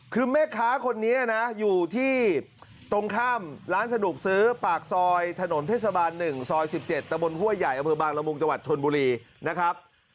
คือแม่ค้าคนนี้นะอยู่ที่ตรงข้ามร้านสนุกซื้อปากซอยถนนเทศบาล๑ซอย๑๗ตะบนห้วยใหญ่อรมงค์จชวนบุรีนะครับ